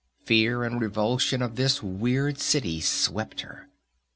Fear and revulsion of this weird city swept her.